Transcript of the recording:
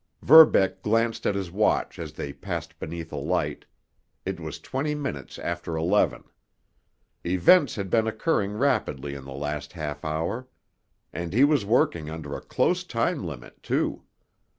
Verbeck glanced at his watch as they passed beneath a light—it was twenty minutes after eleven. Events had been occurring rapidly in the last half hour. And he was working under a close time limit, too.